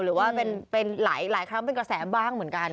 หรือว่าเป็นหลายครั้งเป็นกระแสบ้างเหมือนกัน